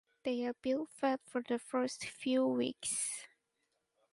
They are bill fed for the first few weeks.